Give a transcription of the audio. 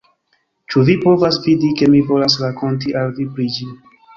Ĉu vi povas vidi, ke mi volas rakonti al vi pri ĝi